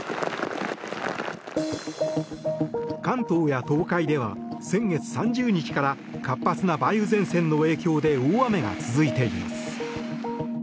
関東や東海では先月３０日から活発な梅雨前線の影響で大雨が続いています。